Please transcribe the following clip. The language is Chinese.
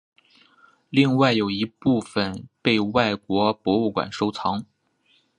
另外有一部份被外国博物馆收藏。